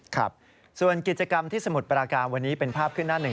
ครับส่วนกิจกรรมที่สมุทรปราการวันนี้เป็นภาพขึ้นหน้าหนึ่ง